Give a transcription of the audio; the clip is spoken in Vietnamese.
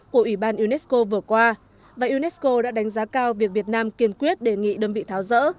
của ủy ban unesco vừa qua và unesco đã đánh giá cao việc việt nam kiên quyết đề nghị đơn vị tháo rỡ